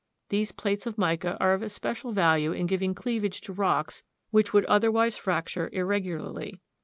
These plates of mica are of especial value in giving cleavage to rocks which would otherwise fracture irregularly.